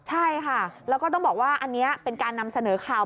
ใช่ค่ะแล้วก็ต้องบอกว่าอันนี้เป็นการนำเสนอข่าว